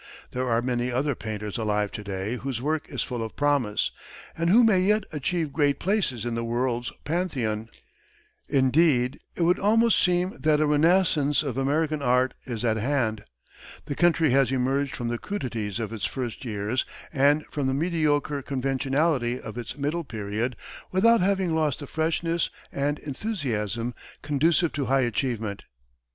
There are many other painters alive to day whose work is full of promise, and who may yet achieve great places in the world's Pantheon. Indeed, it would almost seem that a renascence of American art is at hand. The country has emerged from the crudities of its first years, and from the mediocre conventionality of its middle period, without having lost the freshness and enthusiasm conducive to high achievement.